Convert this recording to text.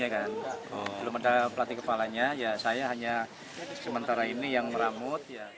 tapi kalau ada yang memanahkan pelatih kepalanya ya saya hanya sementara ini yang meramut